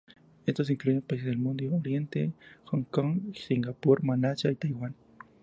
Estos incluyen países del Medio Oriente, Hong Kong, Singapur, Malasia y Taiwán.